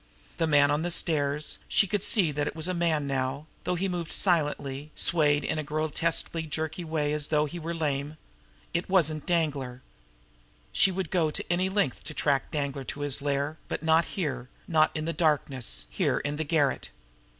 The man on the stairs she could see that it was a man now though he moved silently, swayed in a grotesquely jerky way as though he were lame. It wasn't Danglar! She would go to any length to track Danglar to his lair; but not here here in the darkness here in the garret.